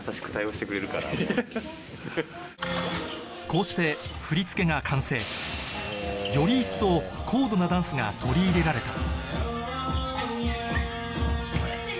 こうして振り付けが完成より一層高度なダンスが取り入れられた